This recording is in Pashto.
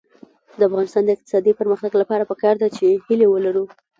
د افغانستان د اقتصادي پرمختګ لپاره پکار ده چې هیلې ولرو.